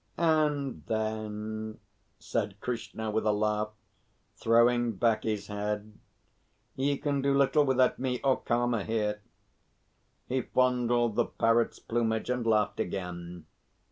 "And then?" said Krishna, with a laugh, throwing back his head. "Ye can do little without me or Karma here." He fondled the Parrot's plumage and laughed again.